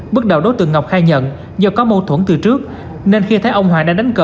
bước đầu đối tượng ngọc khai nhận do có mâu thuẫn từ trước nên khi thấy ông hoàng đang đánh cờ